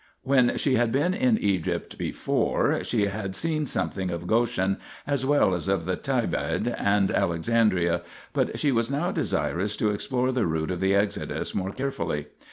When she had been in Egypt before, she had seen something of Goshen as well as of the Thebaid and Alexandria, but she was now desirous to explore the route of the Exodus more carefully.